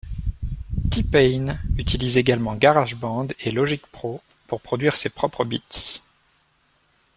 T-Pain utilise également GarageBand et Logic Pro pour produire ses propres beats.